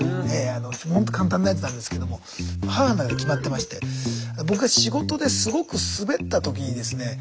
ほんと簡単なやつなんですけども母の中で決まってまして僕が仕事ですごくスベった時にですね